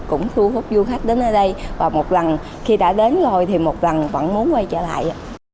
cũng thu hút du khách đến ở đây và một lần khi đã đến rồi thì một lần vẫn muốn quay trở lại